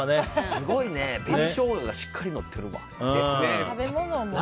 すごいね、紅ショウガがしっかりのってるんだ。